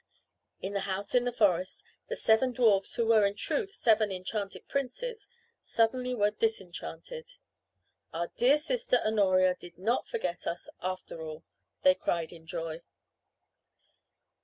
In the house in the forest the seven dwarfs who were in truth seven enchanted princes suddenly were disenchanted. "Our dear sister Honoria did not forget us after all," they cried in joy.